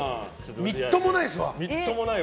みっともないですわ。